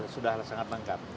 sudah sangat lengkap